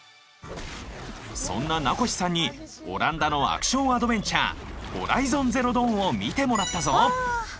そんな名越さんにオランダのアクションアドベンチャー「ＨＯＲＩＺＯＮＺＥＲＯＤＡＷＮ」を見てもらったぞ！